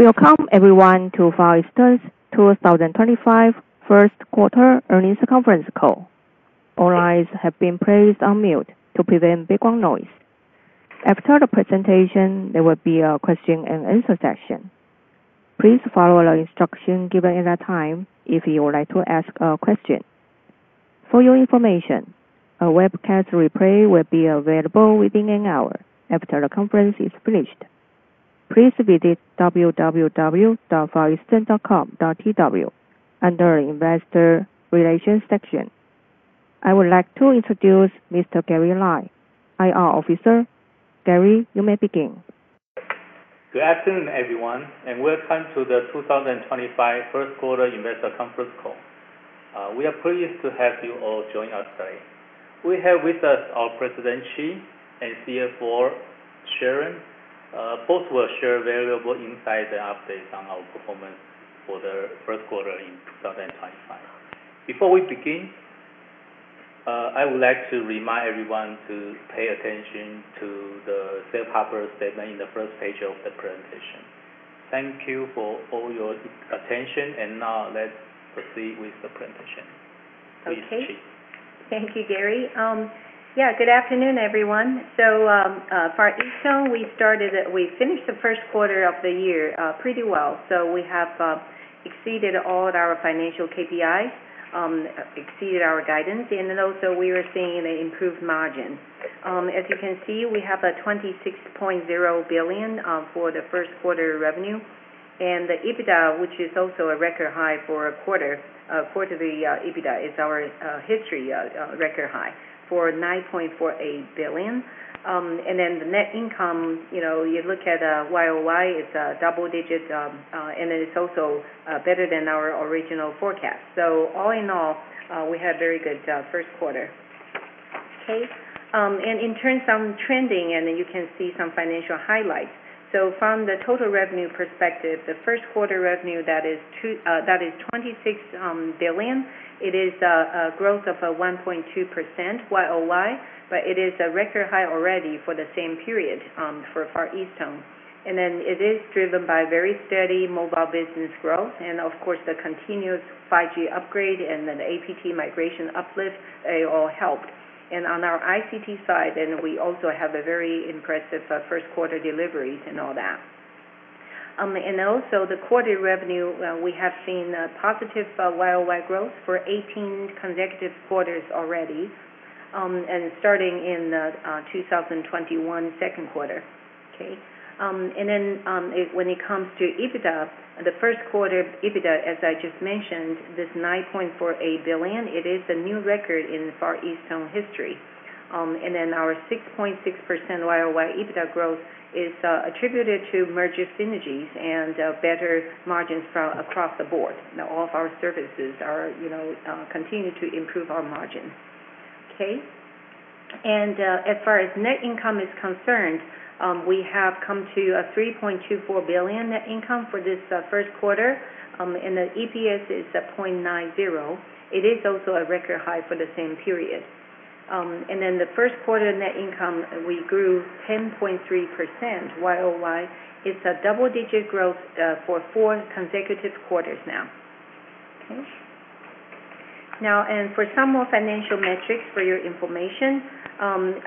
Welcome, everyone, to Far EasTone's 2025 First Quarter Earnings Conference Call. All lines have been placed on mute to prevent background noise. After the presentation, there will be a question-and-answer session. Please follow the instructions given at that time if you would like to ask a question. For your information, a webcast replay will be available within an hour after the conference is finished. Please visit www.fareastone.com.tw under the Investor Relations section. I would like to introduce Mr. Gary Lai, IR Officer. Gary, you may begin. Good afternoon, everyone, and welcome to the 2025 First Quarter Investor Conference Call. We are pleased to have you all join us today. We have with us our President, Chee, and CFO, Sharon. Both will share valuable insights and updates on our performance for the first quarter in 2025. Before we begin, I would like to remind everyone to pay attention to the Safe Harbor statement in the first page of the presentation. Thank you for all your attention, and now let's proceed with the presentation. Okay. Thank you, Gary. Yeah, good afternoon, everyone. Far EasTone, we finished the first quarter of the year pretty well. We have exceeded all of our financial KPIs, exceeded our guidance, and also we were seeing an improved margin. As you can see, we have a NT$26.0 billion for the first quarter revenue, and the EBITDA, which is also a record high for a quarter, quarterly EBITDA, is our history record high for NT$9.48 billion. The net income, you look at YoY, it is a double-digit, and it is also better than our original forecast. All in all, we had a very good first quarter. In terms of trending, you can see some financial highlights. From the total revenue perspective, the first quarter revenue is NT$26 billion, it is a growth of 1.2% YOY, but it is a record high already for the same period for Far EasTone. It is driven by very steady mobile business growth, and of course, the continuous 5G upgrade and the APT migration uplift all helped. On our ICT side, we also have very impressive first quarter deliveries and all that. Also, the quarterly revenue, we have seen positive YOY growth for 18 consecutive quarters already, starting in 2021 second quarter. When it comes to EBITDA, the first quarter EBITDA, as I just mentioned, is NT$9.48 billion, it is a new record in Far EasTone history. Our 6.6% YOY EBITDA growth is attributed to merger synergies and better margins across the board. Now, all of our services continue to improve our margin. Okay. As far as net income is concerned, we have come to a NT$3.24 billion net income for this first quarter, and the EPS is NT$0.90. It is also a record high for the same period. The first quarter net income, we grew 10.3% YOY. It's a double-digit growth for four consecutive quarters now. Okay. For some more financial metrics for your information,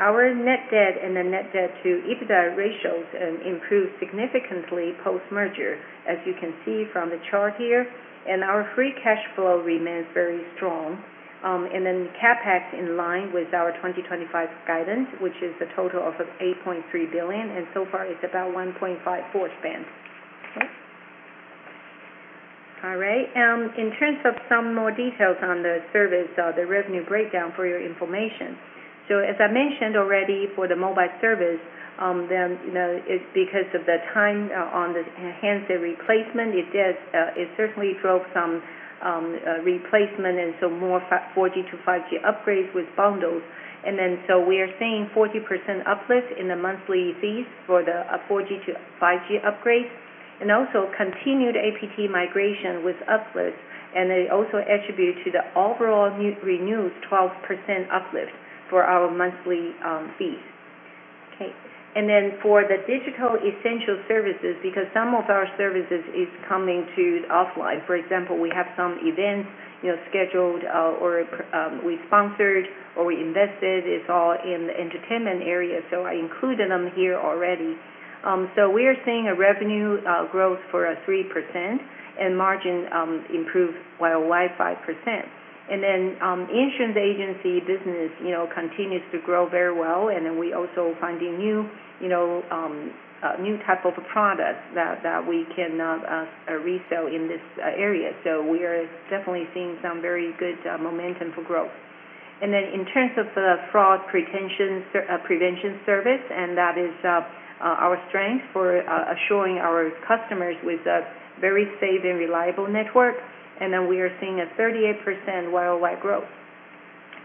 our net debt and the net debt to EBITDA ratios improved significantly post-merger, as you can see from the chart here. Our free cash flow remains very strong. The CapEx in line with our 2025 guidance, which is a total of NT$8.3 billion, and so far it's about NT$1.54 billion spent. All right. In terms of some more details on the service, the revenue breakdown for your information. As I mentioned already, for the mobile service, because of the time on the hands-on replacement, it certainly drove some replacement and some more 4G to 5G upgrades with bundles. We are seeing 40% uplift in the monthly fees for the 4G to 5G upgrades, and also continued APT migration with uplift, and it also attributes to the overall renewed 12% uplift for our monthly fees. Okay. For the digital essential services, because some of our services are coming to the offline, for example, we have some events scheduled or we sponsored or we invested, it's all in the entertainment area, so I included them here already. We are seeing a revenue growth of 3%, and margin improved YOY 5%. The insurance agency business continues to grow very well, and we also are finding new type of products that we can resell in this area. We are definitely seeing some very good momentum for growth. In terms of fraud prevention service, that is our strength for assuring our customers with a very safe and reliable network, and we are seeing a 38% YoY growth.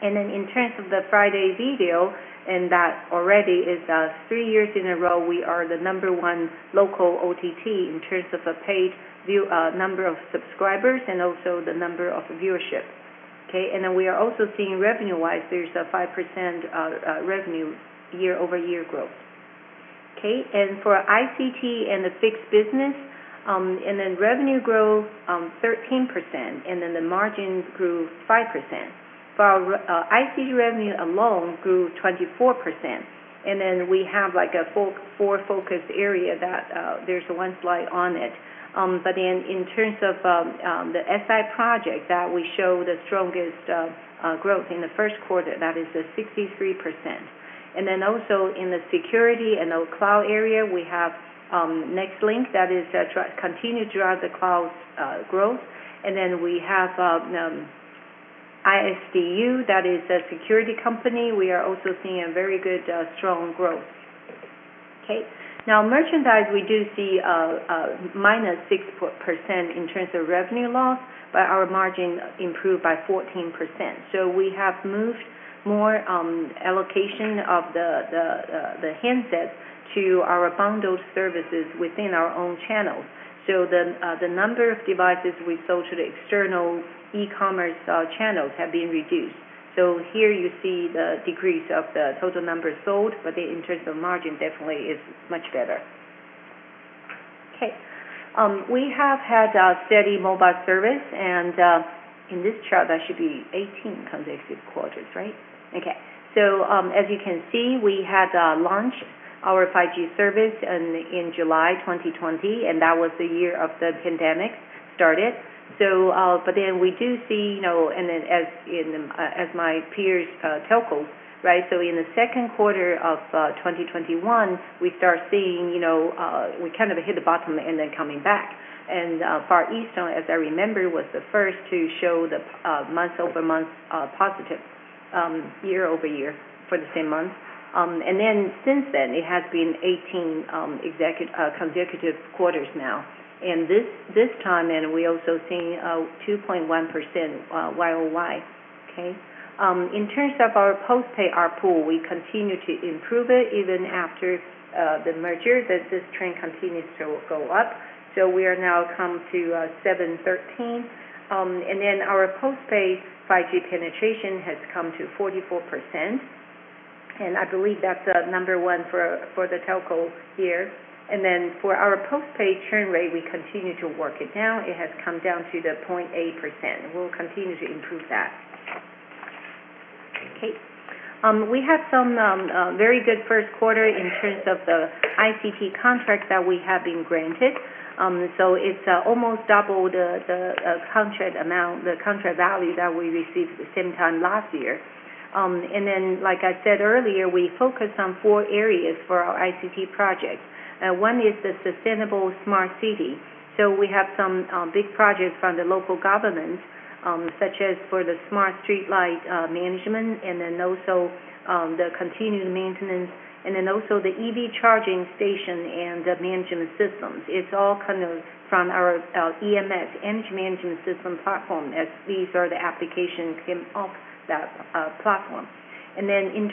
In terms of the Friday Video, that already is three years in a row, we are the number one local OTT in terms of paid number of subscribers and also the number of viewership. We are also seeing revenue-wise, there is a 5% revenue year-over-year growth. For ICT and the fixed business, revenue grew 13%, and the margin grew 5%. For our ICT revenue alone, it grew 24%. We have a four-focused area that there is one slide on. In terms of the SI project, we showed the strongest growth in the first quarter, that is the 63%. Also, in the security and the cloud area, we have NextLink that is continued throughout the cloud growth. We have ISDU, that is a security company. We are also seeing a very good strong growth. Now, merchandise, we do see minus 6% in terms of revenue loss, but our margin improved by 14%. We have moved more allocation of the handsets to our bundled services within our own channels. The number of devices we sold to the external e-commerce channels has been reduced. Here you see the decrease of the total number sold, but in terms of margin, definitely it is much better. We have had steady mobile service, and in this chart, that should be 18 consecutive quarters, right? Okay. As you can see, we had launched our 5G service in July 2020, and that was the year the pandemic started. We do see, and then as my peers telcos, right, in the second quarter of 2021, we start seeing we kind of hit the bottom and then coming back. Far EasTone, as I remember, was the first to show the month-over-month positive year-over-year for the same month. Since then, it has been 18 consecutive quarters now. This time, we are also seeing 2.1% YOY. In terms of our post-pay R pool, we continue to improve it even after the merger. This trend continues to go up. We are now come to 713. Our post-pay 5G penetration has come to 44%. I believe that's number one for the telco here. For our post-pay churn rate, we continue to work it down. It has come down to 0.8%. We'll continue to improve that. We have some very good first quarter in terms of the ICT contracts that we have been granted. It's almost double the contract amount, the contract value that we received at the same time last year. Like I said earlier, we focused on four areas for our ICT projects. One is the sustainable smart city. We have some big projects from the local government, such as for the smart streetlight management, and also the continued maintenance, and also the EV charging station and the management systems. It's all kind of from our EMS, Energy Management System platform, as these are the applications came off that platform. In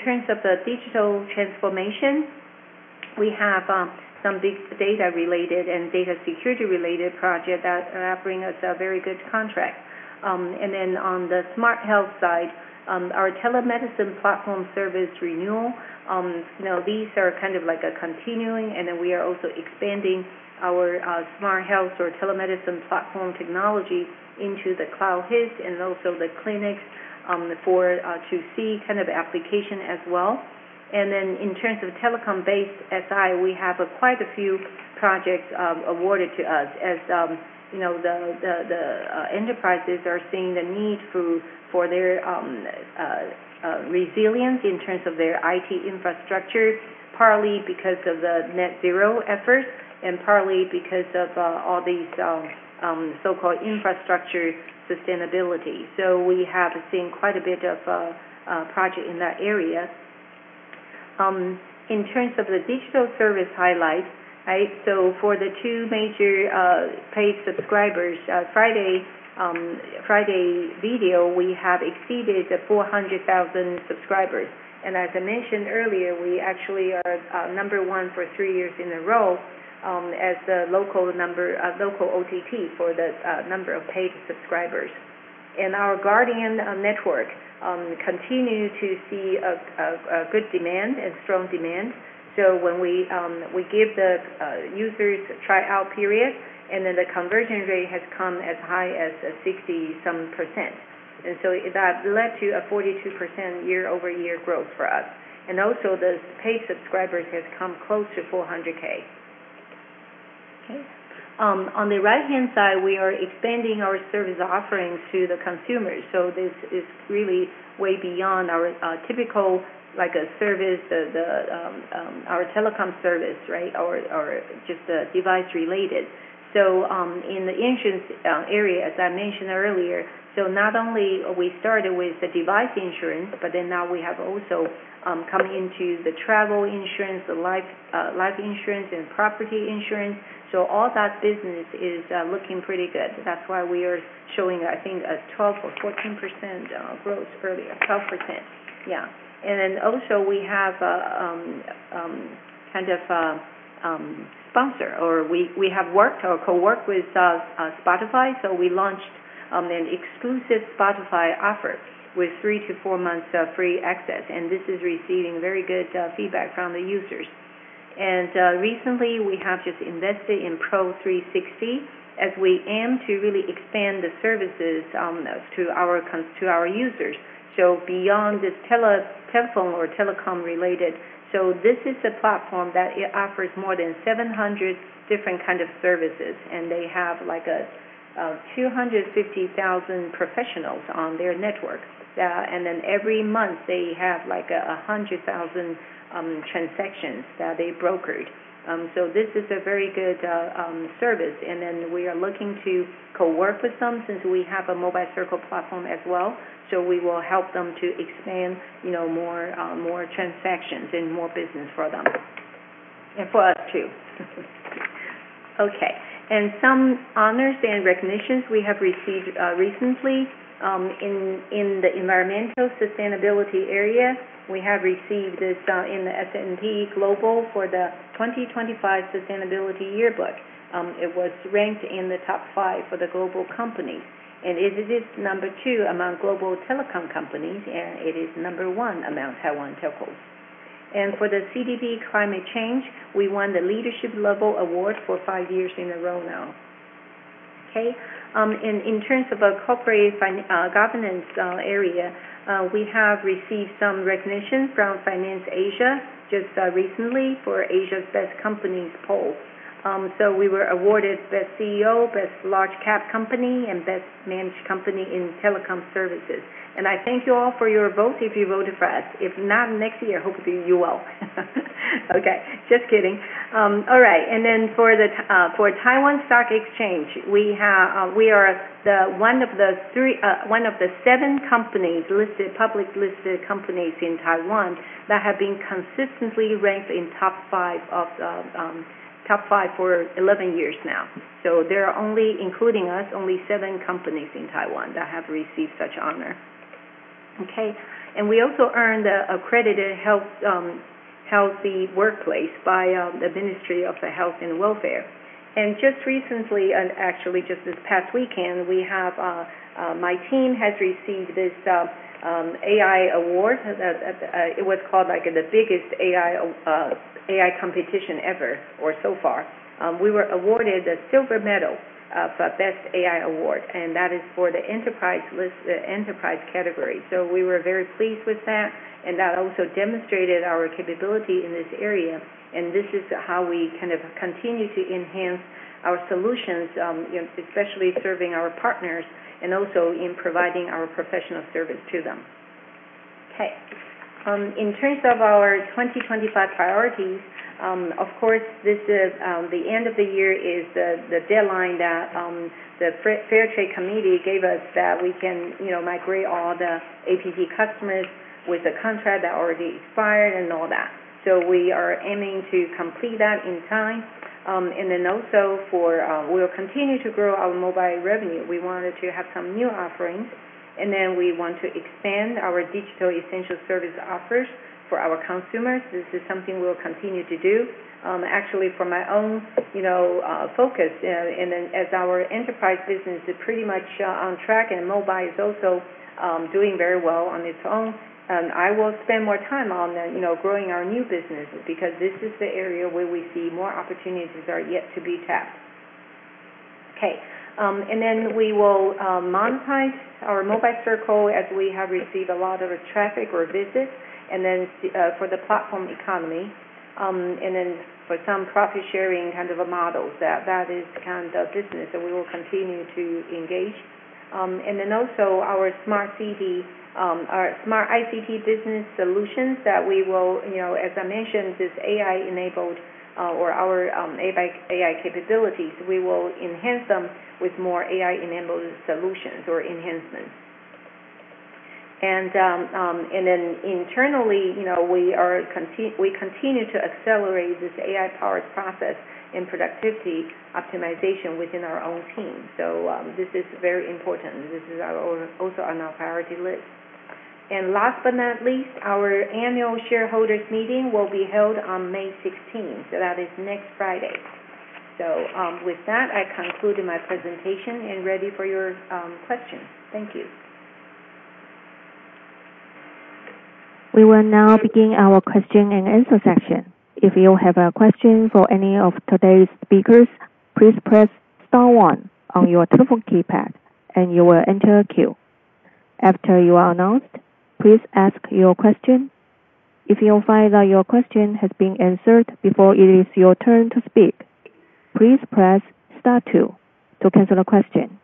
terms of the digital transformation, we have some big data-related and data security-related projects that are bringing us a very good contract. On the smart health side, our telemedicine platform service renewal, now these are kind of like a continuing, and we are also expanding our smart health or telemedicine platform technology into the cloud hits and also the clinics to see kind of application as well. In terms of telecom-based SI, we have quite a few projects awarded to us, as the enterprises are seeing the need for their resilience in terms of their IT infrastructure, partly because of the net zero efforts and partly because of all these so-called infrastructure sustainability. We have seen quite a bit of projects in that area. In terms of the digital service highlights, for the two major paid subscribers, Friday Video, we have exceeded 400,000 subscribers. As I mentioned earlier, we actually are number one for three years in a row as the local OTT for the number of paid subscribers. Our Guardian Network continues to see good demand and strong demand. When we give the users a tryout period, the conversion rate has come as high as 60-some %. That led to a 42% year-over-year growth for us. Also, the paid subscribers have come close to 400,000. On the right-hand side, we are expanding our service offerings to the consumers. This is really way beyond our typical service, our telecom service, or just the device-related. In the insurance area, as I mentioned earlier, not only we started with the device insurance, but now we have also come into the travel insurance, the life insurance, and property insurance. All that business is looking pretty good. That is why we are showing, I think, a 12% or 14% growth earlier, 12%. Yeah. We have kind of sponsored, or we have worked or co-worked with Spotify. We launched an exclusive Spotify offer with three- to four-months of free access. This is receiving very good feedback from the users. Recently, we have just invested in Pro360 as we aim to really expand the services to our users. Beyond this telephone or telecom-related, this is a platform that offers more than 700 different kinds of services, and they have 250,000 professionals on their network. Every month, they have like 100,000 transactions that they brokered. This is a very good service. We are looking to co-work with them since we have a mobile circle platform as well. We will help them to expand more transactions and more business for them and for us too. Some honors and recognitions we have received recently in the environmental sustainability area. We have received this in the S&P Global for the 2025 Sustainability Yearbook. It was ranked in the top five for the global companies. It is number two among global telecom companies, and it is number one among Taiwan telcos. For the CDB climate change, we won the leadership level award for five years in a row now. In terms of our corporate governance area, we have received some recognition from Finance Asia just recently for Asia's best companies poll. We were awarded best CEO, best large-cap company, and best managed company in telecom services. I thank you all for your vote if you voted for us. If not, next year, hopefully you will. Just kidding. All right. For Taiwan Stock Exchange, we are one of the seven public-listed companies in Taiwan that have been consistently ranked in top five for 11 years now. There are only, including us, only seven companies in Taiwan that have received such honor. We also earned an accredited healthy workplace by the Ministry of Health and Welfare. Just recently, and actually just this past weekend, my team has received this AI award. It was called like the biggest AI competition ever or so far. We were awarded the silver medal for best AI award, and that is for the enterprise category. We were very pleased with that, and that also demonstrated our capability in this area. This is how we kind of continue to enhance our solutions, especially serving our partners and also in providing our professional service to them. Okay. In terms of our 2025 priorities, of course, the end of the year is the deadline that the Fair Trade Committee gave us that we can migrate all the APT customers with the contract that already expired and all that. We are aiming to complete that in time. We will continue to grow our mobile revenue. We wanted to have some new offerings, and then we want to expand our digital essential service offers for our consumers. This is something we will continue to do. Actually, for my own focus, and then as our enterprise business is pretty much on track and mobile is also doing very well on its own, I will spend more time on growing our new business because this is the area where we see more opportunities are yet to be tapped. Okay. We will monetize our mobile circle as we have received a lot of traffic or visits, and then for the platform economy, and then for some profit-sharing kind of a model. That is kind of business that we will continue to engage. Our smart ICT business solutions that we will, as I mentioned, this AI-enabled or our AI capabilities, we will enhance them with more AI-enabled solutions or enhancements. Internally, we continue to accelerate this AI-powered process and productivity optimization within our own team. This is very important. This is also on our priority list. Last but not least, our annual shareholders meeting will be held on May 16th. That is next Friday. With that, I concluded my presentation and am ready for your questions. Thank you. We will now begin our question and answer session. If you have a question for any of today's speakers, please press Star 1 on your telephone keypad, and you will enter a queue. After you are announced, please ask your question. If you find that your question has been answered before it is your turn to speak, please press Star 2 to cancel a question.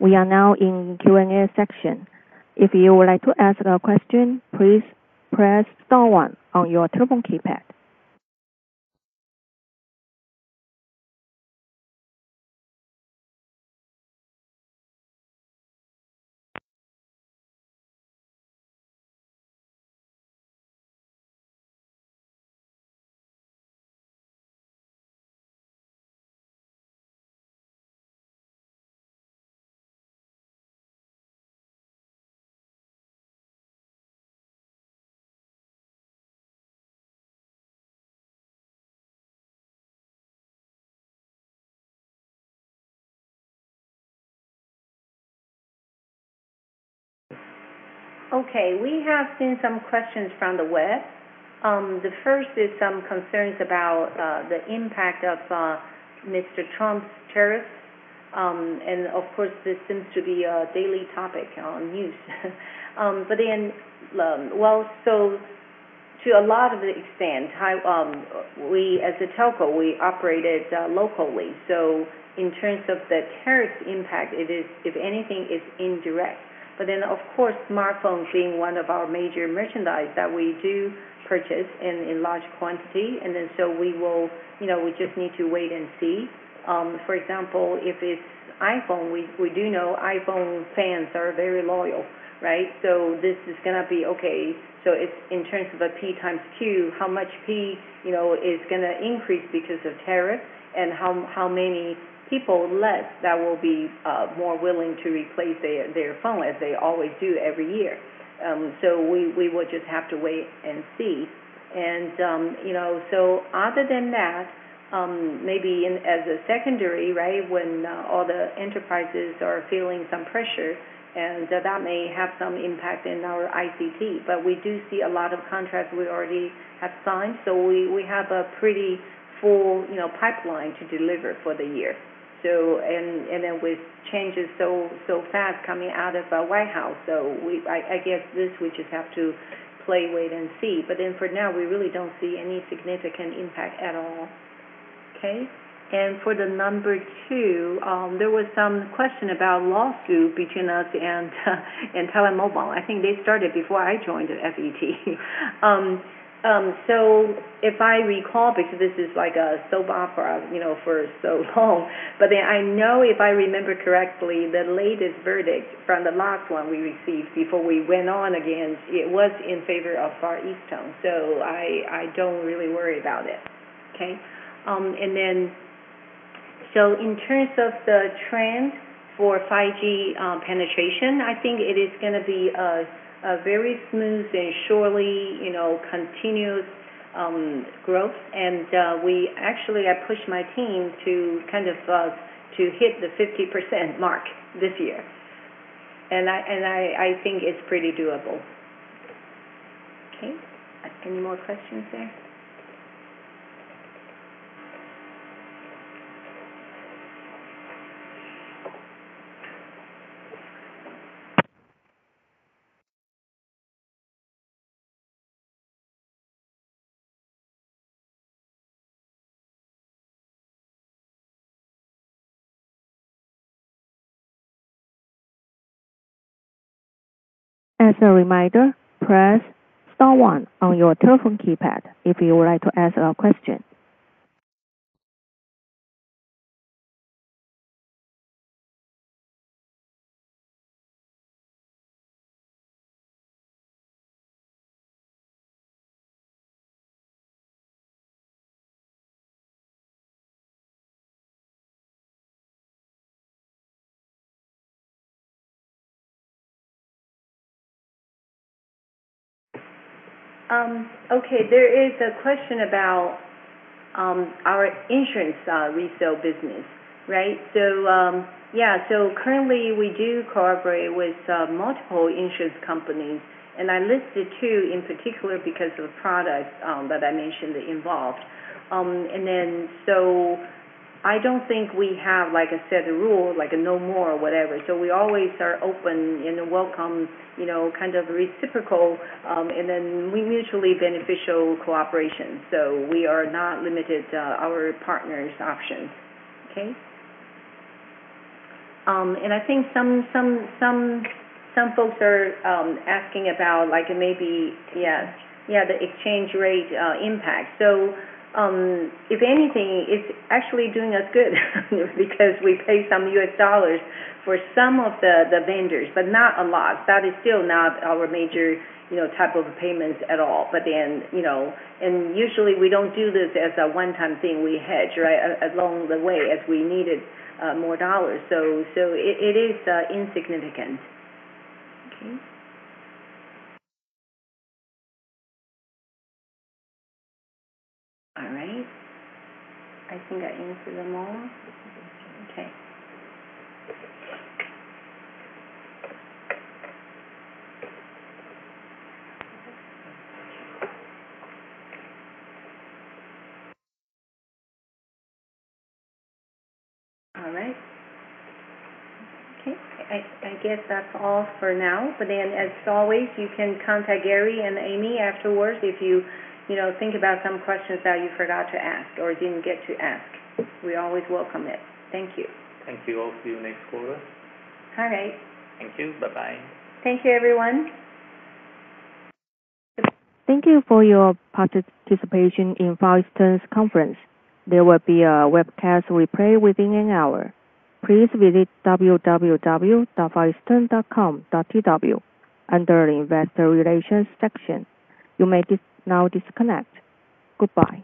We are now in Q&A section. If you would like to ask a question, please press Star 1 on your telephone keypad. Okay. We have seen some questions from the web. The first is some concerns about the impact of Mr. Trump's tariffs. Of course, this seems to be a daily topic on news. To a lot of the extent, as a telco, we operate locally. In terms of the tariff impact, if anything, it is indirect. Of course, smartphones being one of our major merchandise that we do purchase in large quantity. We just need to wait and see. For example, if it's iPhone, we do know iPhone fans are very loyal, right? This is going to be okay. In terms of a P times Q, how much P is going to increase because of tariffs and how many people left that will be more willing to replace their phone as they always do every year. We will just have to wait and see. Other than that, maybe as a secondary, when all the enterprises are feeling some pressure, that may have some impact in our ICT. We do see a lot of contracts we already have signed. We have a pretty full pipeline to deliver for the year. With changes so fast coming out of the White House, I guess this we just have to play, wait, and see. For now, we really do not see any significant impact at all. Okay. For number two, there was some question about the lawsuit between us and Taiwan Mobile. I think they started before I joined Far EasTone. If I recall, because this is like a soap opera for so long, I know if I remember correctly, the latest verdict from the last one we received before we went on again was in favor of Far EasTone. I do not really worry about it. Okay. In terms of the trend for 5G penetration, I think it is going to be a very smooth and surely continuous growth. We actually have pushed my team to kind of hit the 50% mark this year. I think it is pretty doable. Okay. Any more questions there? As a reminder, press Star 1 on your telephone keypad if you would like to ask a question. Okay. There is a question about our insurance resale business, right? Yeah. Currently, we do cooperate with multiple insurance companies. I listed two in particular because of the product that I mentioned involved. I do not think we have a set rule, like a no more or whatever. We always are open and welcome kind of reciprocal and mutually beneficial cooperation. We are not limited to our partner's options. I think some folks are asking about maybe, yeah, the exchange rate impact. If anything, it is actually doing us good because we pay some U.S. dollars for some of the vendors, but not a lot. That is still not our major type of payments at all. But then usually, we do not do this as a one-time thing. We hedge along the way as we needed more dollars. So it is insignificant. Okay. All right. I think I answered them all. Okay. All right. Okay. I guess that is all for now. But then as always, you can contact Gary and Amy afterwards if you think about some questions that you forgot to ask or did not get to ask. We always welcome it. Thank you. Thank you all. See you next quarter. All right. Thank you. Bye-bye. Thank you, everyone. Thank you for your participation in Far EasTone's conference. There will be a webcast replay within an hour. Please visit www.fareastone.com.tw under the investor relations section. You may now disconnect. Goodbye.